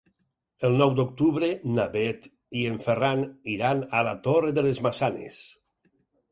El nou d'octubre na Bet i en Ferran iran a la Torre de les Maçanes.